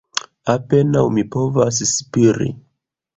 "Apenaŭ mi povas spiri.